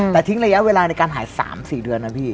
แต่ทิ้งระยะเวลาในการหาย๓๔เดือนนะพี่